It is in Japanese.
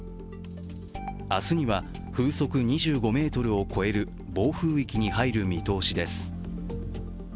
明日には風速２５メートルを超える暴風域に入る見通しです。